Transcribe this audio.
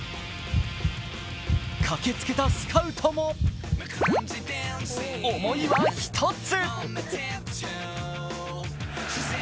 駆けつけたスカウトも思いは１つ。